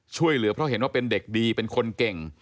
ช่วยเหลือเพราะเห็นว่าเป็นเด็กดีเป็นคนเก่ง